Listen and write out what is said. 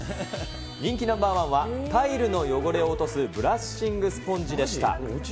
人気ナンバー１は、タイルの汚れを落とすブラッシングスポンジでした。